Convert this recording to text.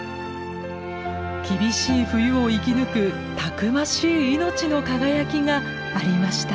厳しい冬を生き抜くたくましい命の輝きがありました。